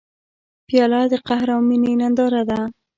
پیاله د قهر او مینې ننداره ده.